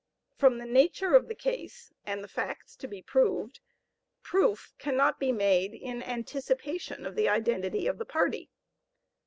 From the nature of the case and the facts to be proved, proof cannot be made in anticipation of the identity of the party.